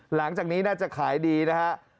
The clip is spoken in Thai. หลังจากนี้น่าจะขายดีนะฮะ